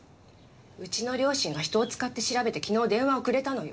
うちの両親が人を使って調べて昨日電話をくれたのよ。